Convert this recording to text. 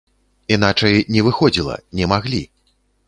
Іначай не выходзіла, не маглі.